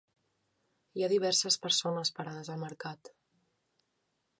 Hi ha diverses persones parades al mercat.